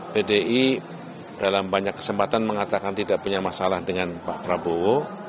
pdi dalam banyak kesempatan mengatakan tidak punya masalah dengan pak prabowo